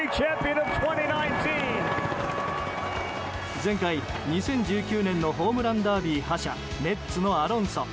前回２０１９年のホームランダービー覇者メッツのアロンソ。